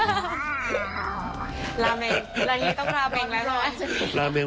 ราเมงต้องราเมงแล้วนะ